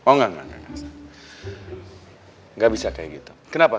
oh enggak enggak bisa kayak gitu kenapa